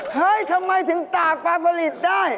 เฮ้ยทำไมถึงตากปลาผลิตได้